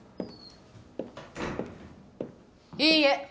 ・いいえ。